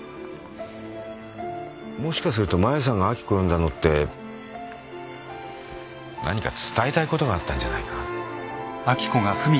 もしかするとマユさんが明子呼んだのって何か伝えたいことがあったんじゃないか？